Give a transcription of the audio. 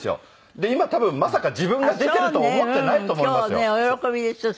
で今多分まさか自分が出ているとは思ってないと思いますよ。